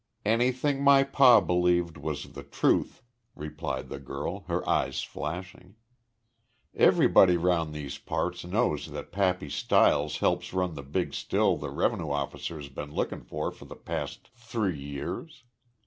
"Anything my pa believed was the truth," replied the girl, her eyes flashing. "Everybody round these parts knows that Pappy Stiles helps run the big still the rev'nue officers been lookin' for the past three years.